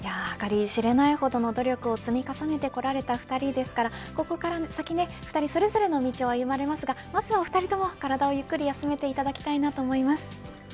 計り知れないほどの努力を積み重ねてきた２人ですからここから先、それぞれの道を歩まれますがまずは２人とも体をゆっくり休めていただきたいと思います。